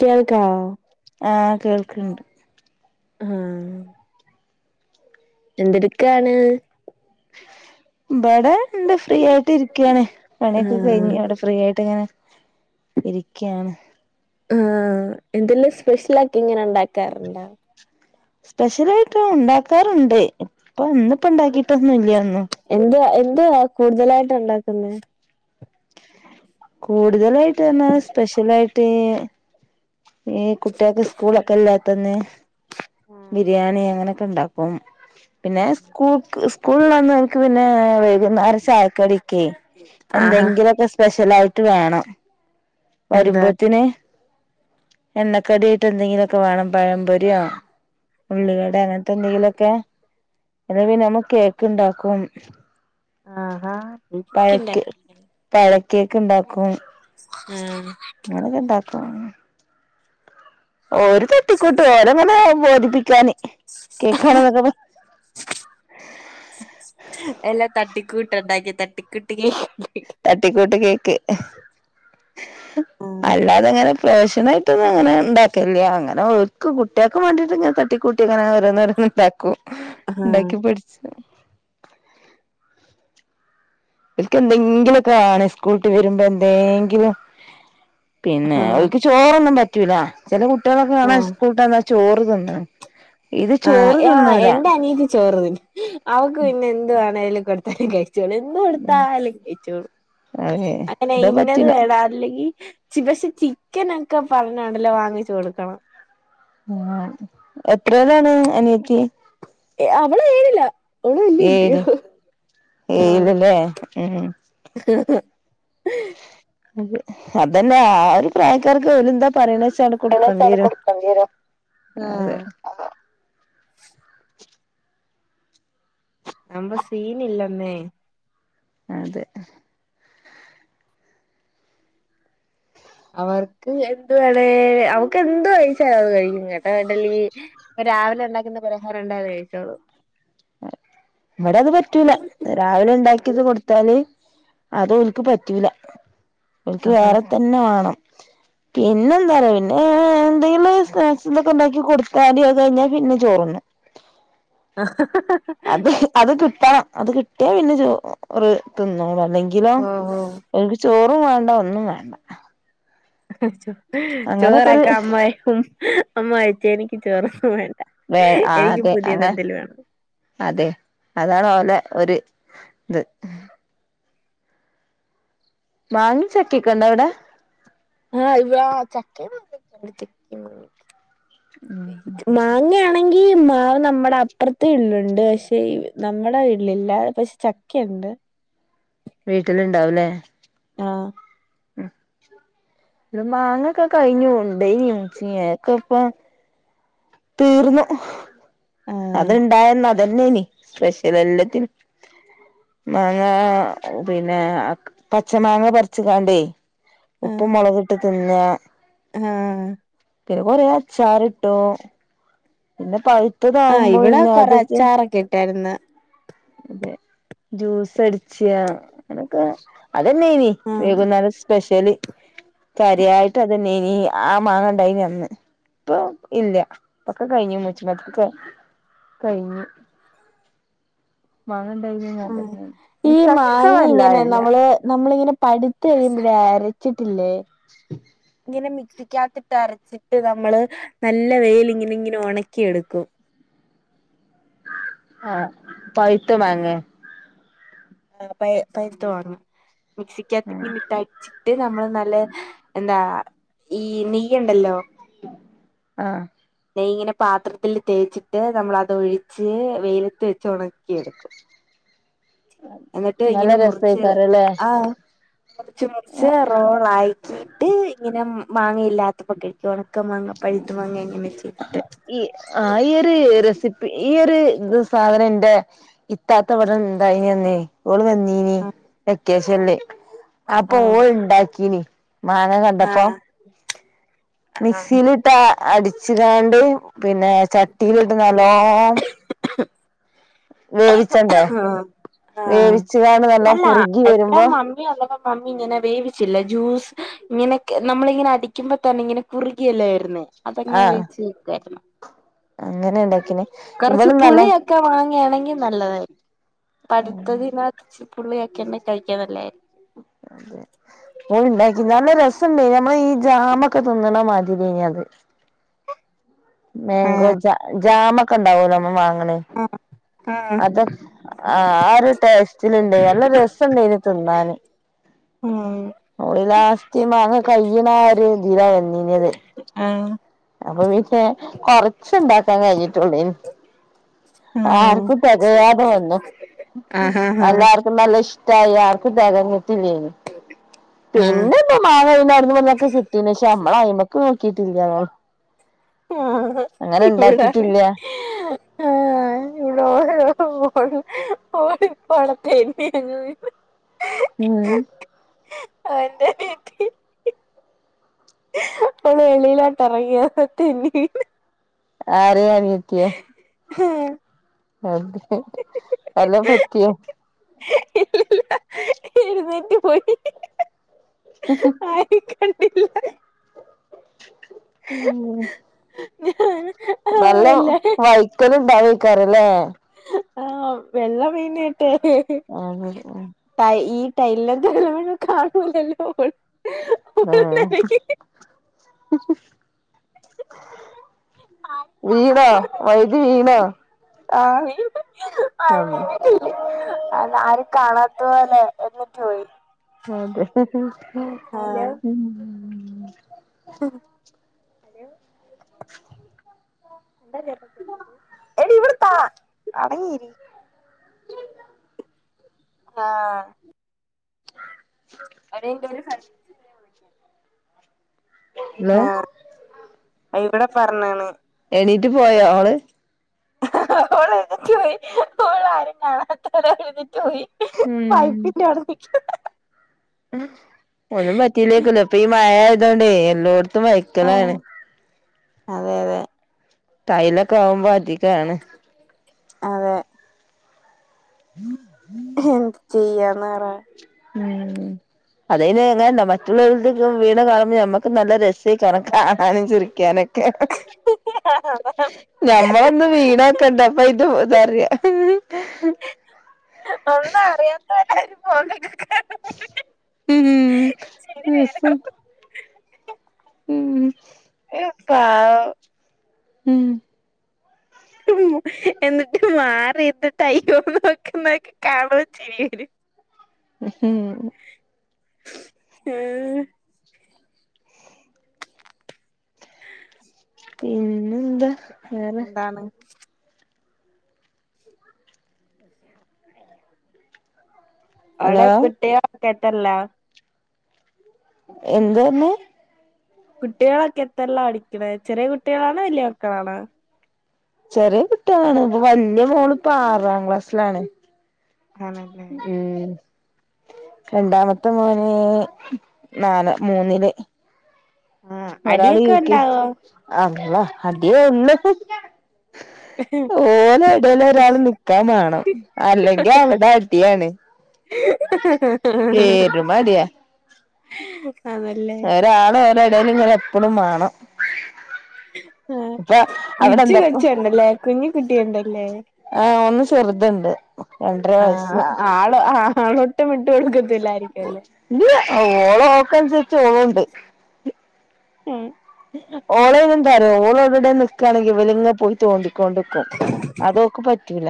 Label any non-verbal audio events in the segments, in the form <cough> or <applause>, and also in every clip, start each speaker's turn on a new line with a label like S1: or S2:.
S1: കേൾക്കവോ
S2: ക്ക്ണ്ട്
S1: ആ എന്തെടുക്കാണ്
S2: ഇബടെ എന്താ ഫ്രീ ആയിട്ട് ഇരിക്കാണ് പണിഒക്കെ കഴിഞ്ഞ്
S1: ആഹ്
S2: അവിടെ ഫ്രീ ആയിട്ട് ഇങ്ങനെ ഇരിക്കയാണ്
S1: ആ എന്തെല്ലാ സ്പെഷ്യലാക്കി ഇങ്ങനെ ഇണ്ടാക്കാറ്ണ്ടാ
S2: സ്പെഷ്യലായിട്ടുണ്ടാക്കാറുണ്ട് ഇപ്പൊ ഇന്നിപ്പോ ഇണ്ടാക്കിട്ടൊന്നുല്യയൊന്നും.
S1: ന്തുവാ കൂടുതലായിട്ടുണ്ടാക്കുന്നെ
S2: കൂടുതലായിട്ടിതന്നെ സ്പെഷ്യലായിട്ട് ഈ കുട്ട്യേക്ക് സ്കൂളൊക്കെ ഇല്ലാത്തന്ന് ബിരിയാണി അങ്ങനൊക്കെ ഇണ്ടാക്കും. പിന്നെ സ്കൂൾക്ക് സ്കൂൾ ള്ളന്ന് ഓല്ക് പിന്നെ വൈകുന്നാരം ചായക്കടിക്കെ
S1: ആഹാ
S2: എന്തെങ്കിലൊക്കെ സ്പെഷ്യലായിട്ട് വേണം
S1: എന്താ
S2: വരുമ്പോത്തിന് എണ്ണക്കടിയായിട്ട് എന്തെങ്കിലൊക്കെ വാണം പഴംപൊരിയൊ ഉള്ളിവടെ അങ്ങനത്തെ എന്തെങ്കിലൊ ക്കെ പിന്നെ ഇവ ഞമ്മ കേക്കിണ്ടാക്കും
S1: ആഹാ
S2: പഴക്ക്
S1: കേക്ക്ണ്ടാക്കലില്ലേ
S2: പഴക്കേക്ക് ഇണ്ടാക്കും
S1: ആം
S2: ആഹ ഓരു തട്ടിക്കൂട്ട് ഓരങ്ങനെ ബോധിപ്പിക്കാന് കേക്കാണെന്നൊക്കെ
S1: എല്ലാ തട്ടിക്കൂ ട്ട്ണ്ടാക്കി തട്ടിക്കൂട്ടി കേ
S2: തട്ടിക്കൂട്ട് കേക്ക് അല്ലാതെങ്ങനെ പേഷനായിട്ടൊന്നു അങ്ങനെ ഇണ്ടാക്കില്ല്യ അങ്ങനെ ഓര്ക്ക് കുട്ടിയാക്ക് വേണ്ടിട്ട് ഇങ്ങനെ തട്ടിക്കൂട്ടി ഇങ്ങനെ ഓരോന്നോരോന്ന് ഉണ്ടാക്കു
S1: ആഹ് ആഹ്
S2: ഉണ്ടാക്കി പഠിച്ച് ഇൻക്ക് എന്തെങ്കിലൊക്കെ ആണ് സ്കൂളിട്ട് വരുമ്പന്തേങ്കിലും പിന്നെ
S1: ആഹ്
S2: ഓൽക്ക്‌ ചോറൊന്നും പറ്റൂല ചില കുട്ട്യേളൊക്കെ കാണാ സ്കൂളട്ടന്നാ ചോറ് തിന്നണ
S1: ആ ആ് എന്റെ അനീത്തി ചോറ്തിന്നു അവക്ക് പിന്നെ എന്ത് വേണേലു കൊടുത്താലു കഴിച്ചോളു എന്തു കൊടുത്താല് കഴിച്ചോളു
S2: അതെ
S1: അങ്ങനെ
S2: ഇത്
S1: ഇന്നത്
S2: പറ്റില്ല
S1: വേണ അല്ലെങ്കിൽ ചിബഷി ചിക്കനൊക്കെ പറഞ്ഞോണ്ടല്ലോ വാങ്ങിച്ചു കൊടുക്കണം
S2: എത്രേലാണ് അനിയത്തി
S1: ഏ അവള് ഏഴില അവള് വല്യ കുട്ടിയ.
S2: ഏഴില് ല്ലേ ഹം ഹം
S1: <unintelligible>
S2: അതെ അതെന്നാ ആ ഒരു പ്രായക്കാർക്ക് ഓര് എന്താ പറയണെ വെ ച്ചാണ്ട്
S1: ഏകദേശം
S2: കൊടുക്കേണ്ടിയരും
S1: കൊടുക്കേണ്ടി വരും
S2: അതെ
S1: ആഹ് അമ്മ സീനില്ലമ്മേ
S2: അതെ
S1: അവർക്ക് എന്ത് വേണേ അവക്ക് എന്ത് കഴിച്ചാ അവള് കഴിക്കുംകേട്ടാ ഇഡലി, രാവിലെ ഉണ്ടാക്കുന്ന പലഹാരുണ്ടായതു കഴിച്ചോളു
S2: ഇവടെ അത് പറ്റൂല രാവിലെ ഉണ്ടാക്കിയത് കൊടുത്താല് അത് ഒൽക്ക് പറ്റൂല ഒൽക്ക്
S1: ആഹാ
S2: വേറെ തന്നെ വേണം
S1: <inaudible>
S2: പിന്നെ എന്താറിയൊ പിന്നെ എന്തെങ്കിലും സ്‌നേക്കസുംതൊക്കെ ഉണ്ടാക്കി കൊടുത്താല് അത് കഴിഞ്ഞാ പിന്നെ ചോറുണ്ണു
S1: <unintelligible>
S2: അത് അത് കിട്ടണം അത് കിട്ടിയാ പിന്നെ ചോ റ് തിന്നോളു ഇല്ലെങ്കിലോ
S1: ഓഹ് ഓഹ്
S2: എനിക്ക് ചോറു വേണ്ട ഒന്നും വേണ്ട അങ്ങനൊക്കെ ഒരു
S1: ചോറക്ക അമ്മ ഹും അമ്മുഅയച്ചേ എനിക്ക് ചോറ് വേ
S2: വേ ആ അതെ അങ്ങ് അതെ അതാണ് ഓലെ ഒരു ത് മാങ്ങ
S1: ആ ഇതാ ചക്കേം <unintelligible>
S2: <unintelligible>
S1: ആണെങ്കി മാവ് നമ്മുടെ അപ്പുറത്തെ വിട്ടിലുണ്ട് പക്ഷെ നമ്മുടെ വീട്ടിലില്ല പക്ഷെ ചക്കണ്ട്
S2: വീട്ടില ഇണ്ടാവലേ
S1: ആഹ
S2: ആഹ ഇ മാങ്ങൊക്കെ കഴിഞ്ഞുണ്ടേനച്ച <inaudible> ക്കെ ഇപ്പ തീർന്ന്
S1: ആഹ്
S2: അതന്നെ സ്പെഷ്യൽ എല്ലാത്തിനും മാങ്ങ പിന്നെ പച്ച മാങ്ങ പറിച്ചി താണ്ടേ ഉപ്പ് മുളകിട്ട് തിന്ന
S1: ആഹ
S2: പിന്നെ കൊറേ അച്ചാർട്ട പിന്നെ പ
S1: ആഹ്
S2: ഇത്തതകുമ്പോ
S1: ഇവിടെ
S2: ഇന്ന
S1: കൊറെ
S2: തടുത്ത്
S1: അച്ചാറൊക്കെ ഇട്ടായിരുന്നു
S2: അതെ ജ്യൂസ് അടിച്ച അങ്ങനൊക്കെ അതന്നെ
S1: ആഹ്
S2: ഇനിവൈകുന്നേരം സ്പെഷ്യലി കരിയായിട്ട് അതന്നെ ഇനി ആ മാങ്ങണ്ടായിനി അന്ന് ഇപ്പൊ ഇല്ല ഇപ്പൊക്കെ കഴിഞ്ഞ മച്ചമത്തൊക്കെ കഴിഞ്ഞു മാങ്ങ ഉണ്ടായിനി
S1: ആ
S2: അതന്നെ
S1: ഈ
S2: ചക്ക
S1: മാങ്ങ
S2: വല്ലാ
S1: ഇങ്ങനെ
S2: ഇല്ല
S1: നമ്മള് നമ്മളിങ്ങനെ പഴുത്ത കഴിയുമ്പ അരച്ചിട്ടില്ലേ ഇങ്ങനെ മിക്സിക്കാത്തിട്ട് അരച്ചിട്ട് നമ്മള് നല്ല വെയ്ൽ ഇങ്ങനെ ഇങ്ങനെ ഉണക്കിെടുക്കും
S2: ആഹ പൈത്ത മാങ്ങ
S1: ആ പ പൈത്ത മാങ്ങ
S2: ഉം
S1: മിക്സിക്കത്ത ഇട്ടടിച്ചിട്ട് നമ്മള് നല്ല എന്താ ഈ നെയ ണ്ടല്ലോ
S2: ആഹ്
S1: നെയ്യ് ഇങ്ങനെ പാത്രത്തില്ൽ തേച്ചിട്ട് നമ്മള അത് ഒഴിച്ച് വെയിലത്ത് വെച്ച് ഉണക്കി എടുക്കും എന്നിട്ട്
S2: നല്ല
S1: ഇങ്ങനെ മുറിച്ചത്
S2: രസേക്കാരല്ലേ
S1: ആ മുറിച്ച് മുറിച്ച് റോൾ ആയിക്കിട്ട് ഇങ്ങനെ മാങ്ങയില്ലാത്തപ്പോ കഴിച്ചോണം
S2: ഈ ആ ഒര് റെസിപ്പി ഈ സാധനം എന്റെ ഇത്താത്ത ഇവിട ഇണ്ടായിനിന്നി ഓള് വന്നീനി കേസല്ലി അപ്പൊ
S1: ആഹ്
S2: ഓൾഇണ്ടാക്കീന് മാങ്ങ കണ്ടപ്പോ
S1: ആഹ് ആഹ്
S2: മക്സിയിലിട്ട് അടിച്ചു കണ്ട് പിന്നെ ചട്ടിയിലിട്ട് നല്ലോ വേവി
S1: ആഹ ആഹ
S2: നല്ലോം
S1: അല്ല
S2: കുറുകി വരുമ്പോ
S1: ഇവിടെമമ്മിയൊള്ളപ്പ മമ്മി ഇങ്ങനെ വേവിച്ചില്ല ജ്യൂസ് ഇങ്ങനെെ നമ്മളിങ്ങനെ അടിക്കുമ്പോ തന്നെ ഇങ്ങനെ കുറുകിയല്ലാ വരുന്നേ അതെങ്ങനെ
S2: ആഹ്
S1: വേവിച്ച് വെക്കായിരുന്നു
S2: അങ്ങനെ ഉണ്ടാക്കിനെ
S1: കുറച്ച് പുളിയൊക്കെ വാങ്ങിയയാണെങ്കിൽ നല്ലതായിരിക്കും പടുത്തതിനതിനകത്ത് പുള്ളിക്കെണ്ടികഴിക്കാൻ നല്ലതാ രിക്കും
S2: അതെ ഓ ഉണ്ടാക്കി നല്ല രസംുണ്ടായി നമ്മൾ ഈ ജാമൊക്കെ തിന്നണ മാതി അത് മാങ്കോ
S1: ആഹ്
S2: ജ ജാമ ഒക്കെ ഉണ്ടാവുമോ നമ്മ വാങ്ങ
S1: ആഹ്
S2: ആ ഒരു ടേസ്റ്റണ്ട് നല്ല രസണ്ട് തിന്നാല്
S1: ഉം
S2: മാങ്ങ കയ്യണ ഒരു ഇര വന്നീത്
S1: ആഹ
S2: അപ്പൊ പിന്നെ കൊറച്ചുണ്ടാക്കാൻ കഴിഞ്ഞിട്ടുള്ള
S1: ആഹ്
S2: ആർക്കും തികയാതെ വന്നു
S1: ആഹ് ആഹ് ആഹ്
S2: അല്ലാർക്കും നല്ല ഇഷ്ടായി ആർക്കും തികഞ്ഞ
S1: ആഹ്
S2: പിന്നെ ഇപ്പ മാ കുന്നന്ന് വന്നൊക്കെ കിട്ടീ പക്ഷെ നമ്മള അയി <unintelligible> മക്ക് നോക്കി ആക്കിട്ടില്ല
S1: ആ ഇവിടാണ്
S2: ഇണ്ടാക്കിട്ടില്ല
S1: ആഹ ഇവിടോ പഴത്ത അ <unintelligible>
S2: മം
S1: ആ <unintelligible> എന്തട്ട അപ്പ വെളിയിലാട്ട് ഇറങ്ങിയ തെന്നിവീണ്
S2: ആരെയാ അനിയത്തിയ
S1: ഹഹ
S2: അത എല്ലാം പറ്റിയോ
S1: തെന്നി പോയി
S2: ഉ
S1: ആരേം കണ്ടില്ല
S2: ഉം
S1: ഞാന് ആഹ് അല്ല
S2: നല്ലവഴുക്കലുണ്ടാമു മല്ലേ
S1: ആ <unintelligible> വെള്ള മനായിട്ടെ
S2: അത് ഉം
S1: ഈ ടൈലിൽ വെള്ളം വീണാൽകാണൂലല്ലോഓ
S2: ആ
S1: ആരും
S2: വീണോ വഴുതി വീണോ
S1: ആ വീണു
S2: ഉം
S1: അ ആരും കാണാത്ത പോല്ലെ എന്നിട്ട് പോയി
S2: അതെ ഉ
S1: ഉം
S2: <inaudible>
S1: എന്താ കേ കേട്ടത് എടി ഇവിടുത്താ അടങ്ങീരി ആ
S2: ആ
S1: അ വിള <unintelligible>
S2: പിന്നെ
S1: ഇവിടെ പറഞ്ഞാണ്
S2: എണീറ്റ് പോയോ അവള്
S1: ഓൾ എഴുന്നേറ്റ് പോയി ഓൾ ആരും കാണാത്ത എഴ പോയി
S2: ഉം
S1: പൈപ്പിന്റെ അവിടെ നിൽ
S2: ഒന്നും പറ്റീലേക്കല്ലോ അപ്പൊ ഈ മഴ ആതോണ്ടേ എല്ലോത്തും എല്ലായിടത്തും
S1: ആ
S2: വഴുക്കലാണ്
S1: അതെ അതെ
S2: ടൈലൊക്കെ ആവുമ്പോ അധികാണ്
S1: അതെ
S2: ഉം
S1: എന്ത് ചെയ്യാനാണെന്ന് പറ
S2: ഉം അതന് എങ്ങനെന്താ മറ്റുള്ളവരുടെ ഇപ്പ വീണ കാണുമ്പോ നമ്മക്ക് നല്ല രസമായി കാണാനും ചിരിക്കാനും എങ്ങനെയൊക്കെ ആണ്
S1: ആ
S2: നമ്മളൊന്ന് വീണക്കണ്ടപ്പ ഇത് പോതറിയ
S1: എന്താ അറിയാത്തതുപോലെ പോകു
S2: ഉം
S1: ചിരി
S2: അപ്പ
S1: വരും
S2: ഉം
S1: പാവം
S2: ഉം
S1: ഉം എന്നിട്ട് മാറിത് ട്ടയ്യോ നോക്ക് നോക്ക് ക്കാണുമ്പോ ചിരി വരും.
S2: ഉ ഹും
S1: ആ നാ അച്ചി
S2: പിന്നെന്താ വേറെ
S1: ന്താണ് അടെ
S2: ഹലോ
S1: കുട്ട്യാ ക്കെ ത്ത ല്ല.
S2: എന്ത ന്നെ
S1: കുട്ട്യാളൊക്കെ എത്രേലാ പഠിക്ക്ണെ ചെറ്യേ കുട്ട്യാളാണോ വല്ല്യ മക്കളാണോ?
S2: ചെറ്യേ കുട്ട്യാളാണ് പ്പൊ വലിയ മോള് പ്പൊ ആറാം ക്ലാസ്സിലാണ്
S1: ആണല്ലേ
S2: ഉം രണ്ടാമത്തെ മോന് നാല മൂന്നില്.
S1: ആഹ്
S2: ഒരാള്
S1: അടിയൊക്കെ
S2: യുകെജി
S1: ഉണ്ടാവോ
S2: അ ള്ളാ അടിയേ ഉള്ളു- ഓലെ ടേല് ഒരാൾ നിക്കാൻ വാണം അല്ലെങ്കിൽ അവിടെ അടിയാണ്.
S1: ഹ് ഹ് ഹ്
S2: പെരും അടിയാ
S1: ഹ്
S2: ഒരാള് ഓലെ ഇടേൽ ഇങ്ങനെ എപ്പളും വാണം.
S1: ആ <unintelligible>
S2: എന്തൊക്ക
S1: കൊച്ചുണ്ടല്ലേ കുഞ്ഞിക്കുട്ടി ഒണ്ടല്ലേ
S2: ആ ഒന്ന് ചെറുത്ണ്ട് രണ്ടര വയസ്സ്.
S1: ആഹ് ആള് ആളൊട്ടും വിട്ട് കൊടുക്കത്തില്ലായിരിക്കുവല്ലോ
S2: ഇല്ല്യ ഓള് ഓക്ക് അൻസര്ച് ഓളുംണ്ട്.
S1: ഉം
S2: ഓളയ്നെന്താറ്യോ ഓള് അവ്ടെവ്ടെം നിക്കാണെങ്കി ഇവല്ങ്ങനെ പോയി തോണ്ടി. ക്കോണ്ട്ക്കും അതോക്ക് പറ്റൂല.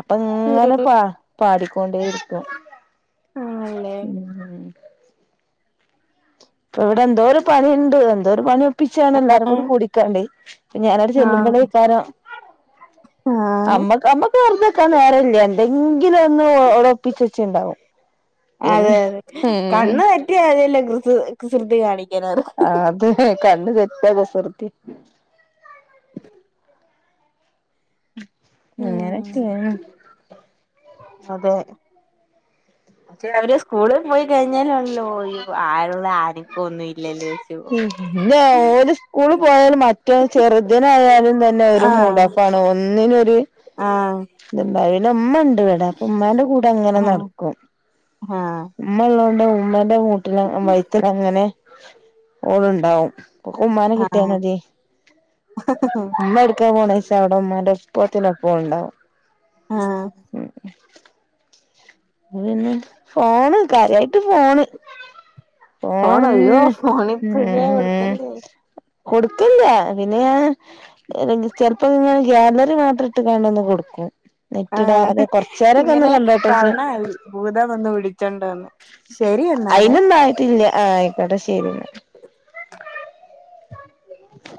S2: അപ്പൊ ഇങ്ങനെ പ പാടിക്കൊണ്ടേ ഇരിക്കും
S1: ആണല്ലേ
S2: ഇപ്പ ഇവിടെ എന്തോ ഒരു പണിയുണ്ട് എന്തോരു പണി പ്പിച്ചാണ് എല്ലാരും കൂടി
S1: ആഹ്
S2: കുടിക്കാണ്ടയ് ഞാനട് ചെല്ലുമ്പളേക്കാരം.
S1: ആ
S2: അമ്മക്ക് അമ്മക്ക് വെറുതെക്കാൻ നേരല്ല്യ എന്തെങ്കിലൊന്ന് ഓ ഓള് ഒപ്പിച്ച്ച്ചെച്ചീണ്ടാവും.
S1: അതെ
S2: പിന്നെ ഉം.
S1: സ് കുസൃതി കാണി.
S2: ആ അത് കണ്ണ് തെറ്റിയ കുസൃത്യ
S1: ഉം
S2: അങ്ങനൊക്കെയാണ്
S1: അതെ. പക്ഷെ അവര് സ്കൂളിൽ പോയി കഴിഞ്ഞാലുണ്ടല്ലോ <unintelligible>
S2: ഉം പിന്ന ഓല് സ്കൂള് പോയാല് മറ്റേ ചെറുതിനായാലും തന്നെ ഒരു
S1: ആഹ്
S2: മൂടോഫാ ണ് ഒന്നിനും ഒര്
S1: ആഹ്
S2: ത്ണ്ടാ പിന്നെ ഉമ്മണ്ട് വ്ടെ അപ്പൊ ഉമ്മാന്റെകൂടെങ്ങനെ
S1: ആഹ്
S2: നടക്കും
S1: ആഹ്
S2: ഉമ്മള്ളൊണ്ട് ഉമ്മ ന്റെ മൂട്ടില അ വൈത്തലങ്ങനെ ഓളുണ്ടാവും ഓക്കുമ്മാനെ കിട്ട്യാ മതി.
S1: ആഹ്
S2: ഉമ്മ എടുക്കാ പോണേ ച്ച അവിടെ മ്മാന്റെ ഒപ്പത്തിനൊപ്പം ഓള്ണ്ടാവും.
S1: ആ
S2: അത് പിന്നെ ഫോണ് കാര്യായിട്ട് ഫോണ്.
S1: ഫോൺ അയ്യോ
S2: ഫോണെന്നെ
S1: ഫോൺ ഇപ്പഴേ
S2: ഉം.
S1: കൊടുക്കല്ലേ
S2: - കൊടുക്കില്ല്യാ പിന്നെ ഞാൻ ചെ ലപ്പോ ഇ ങ്ങെനെ ഗ്യാലറി മാത്രം ഇട്ട്കാ ണ്ടൊ ന്ന് കൊടുക്കും. നെറ്റിടാ അതെ
S1: ആഹ്
S2: കൊർച്ചേരൊക്കെ ഒന്ന്
S1: ഇങ്ങനെ
S2: കണ്ടോട്ടെ ച.
S1: പറഞ്ഞാ മതി ഭൂതം വന്ന് വിളിച്ചോണ്ട് വന്ന് ശരി എന്നാലേ
S2: അയിനൊന്നായിട്ടില്ല്യ ആ ആയ് ക്കോട്ടെ ശെരി ന്ന. <inaudible>